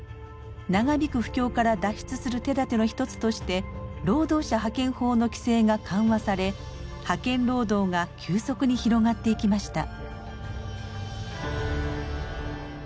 長引く不況から脱出する手だての一つとして労働者派遣法の規制が緩和され派遣労働が急速に広がっていきました。